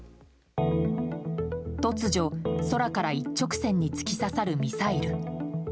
突如、空から一直線に突き刺さるミサイル。